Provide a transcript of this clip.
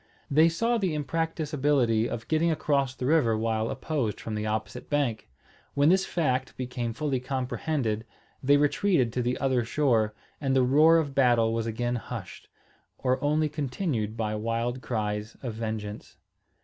They saw the impracticability of getting across the river while opposed from the opposite bank. When this fact became fully comprehended, they retreated to the other shore, and the roar of battle was again hushed, or only continued by wild cries of vengeance.